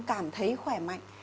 cảm thấy khỏe mạnh